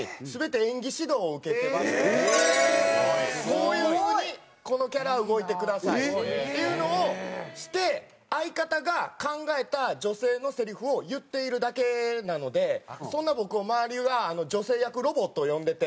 こういう風にこのキャラは動いてくださいっていうのをして相方が考えた女性のせりふを言っているだけなのでそんな僕を周りは「女性役ロボ」と呼んでて。